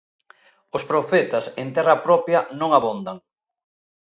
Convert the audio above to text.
Os profetas en terra propia non abondan.